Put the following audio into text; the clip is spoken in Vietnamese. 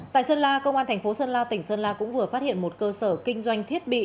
tại sơn la công an thành phố sơn la tỉnh sơn la cũng vừa phát hiện một cơ sở kinh doanh thiết bị